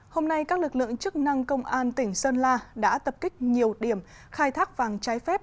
hôm nay các lực lượng chức năng công an tỉnh sơn la đã tập kích nhiều điểm khai thác vàng trái phép